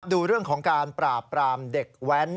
ดูเรื่องของการปราบปรามเด็กแว้น